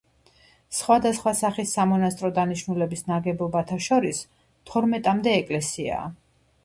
სხვადასხვა სახის სამონასტრო დანიშნულების ნაგებობათა შორის თორმეტამდე ეკლესიაა.